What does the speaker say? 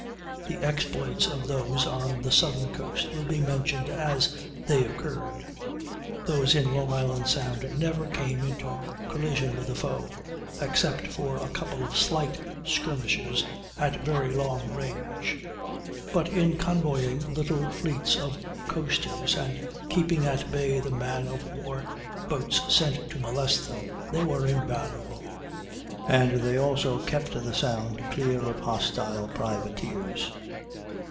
The exploits of those on the southern coast will be mentioned as they occurred. Those in Long Island Sound never came into collision with the foe, except for a couple of slight skirmishes at very long range; but in convoying little fleets of coasters, and keeping at bay the man of war boats sent to molest them, they were invaluable; and they also kept the Sound clear of hostile privateers.